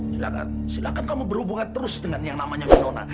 silakan silakan kamu berhubungan terus dengan yang namanya winona